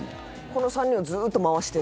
この３人をずっと回してる？